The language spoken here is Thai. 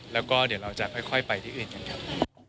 แล้วก็เดี๋ยวเราจะค่อยไปที่อื่นกันครับ